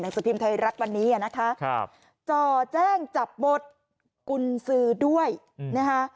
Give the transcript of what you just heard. หนังสือพิมพ์ไทยรักวันนี้อ่ะนะคะครับจ่อแจ้งจับบทคุณซื้อด้วยนะฮะ